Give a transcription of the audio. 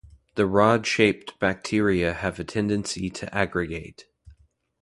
The rod-shaped bacteria have a tendency to aggregate.